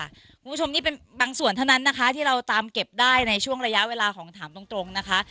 คุณผู้ชมนี่เป็นบางส่วนเท่านั้นนะคะที่เราตามเก็บได้ในช่วงระยะเวลาของถามตรงนะคะ